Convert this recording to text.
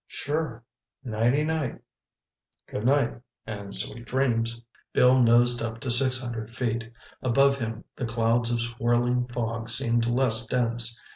"Sure. Nighty night." "Good night and sweet dreams." Bill nosed up to six hundred feet. Above him, the clouds of swirling fog seemed less dense.